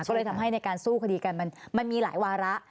ก็เลยทำให้ในการสู้คดีกันมันมีหลายวาระ